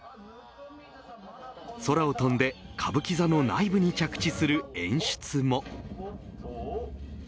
空を飛んで、歌舞伎座の内部に着地する演出も。